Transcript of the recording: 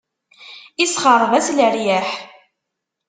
Isexṛeb-as leryaḥ.